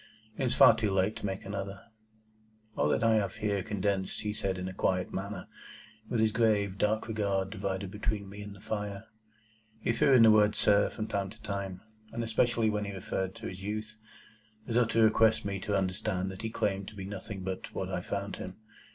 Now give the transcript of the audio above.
It was far too late to make another. [Picture: The signal man] All that I have here condensed he said in a quiet manner, with his grave, dark regards divided between me and the fire. He threw in the word, "Sir," from time to time, and especially when he referred to his youth,—as though to request me to understand that he claimed to be nothing but what I found him.